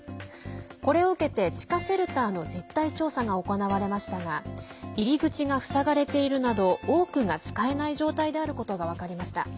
これを受けて地下シェルターの実態調査が行われましたが入り口が塞がれているなど多くが使えない状態であることが分かりました。